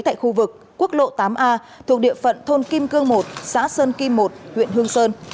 tại khu vực quốc lộ tám a thuộc địa phận thôn kim cương một xã sơn kim một huyện hương sơn